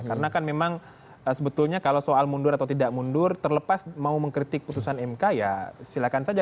karena kan memang sebetulnya kalau soal mundur atau tidak mundur terlepas mau mengkritik putusan mk ya silakan saja